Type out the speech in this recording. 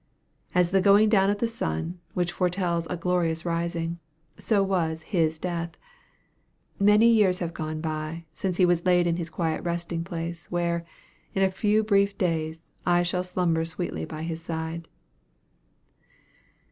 As the going down of the sun, which foretells a glorious rising, so was his death. Many years have gone by, since he was laid in his quiet resting place, where, in a few brief days, I shall slumber sweetly by his side."